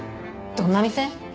どんな店？